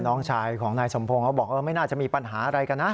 น้องชายของนายสมพงศ์เขาบอกไม่น่าจะมีปัญหาอะไรกันนะ